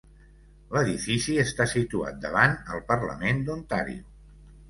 L'edifici està situat davant el Parlament d'Ontario.